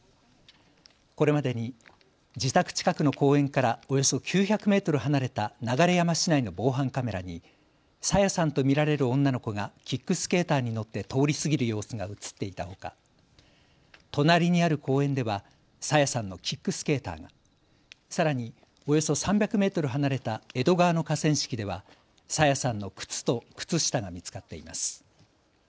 これまでに自宅近くの公園からおよそ９００メートル離れた流山市内の防犯カメラに朝芽さんと見られる女の子がキックスケーターに乗って通り過ぎる様子が映っていたほか隣にある公園では朝芽さんのキックスケーターがさらにおよそ３００メートル離れた江戸川の河川敷では朝芽さんの靴と靴下が見つかっています。